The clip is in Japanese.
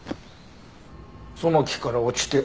その木から落ちて。